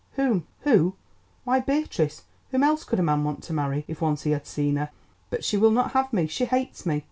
Whom?" "Who! why, Beatrice—whom else could a man want to marry, if once he had seen her. But she will not have me; she hates me."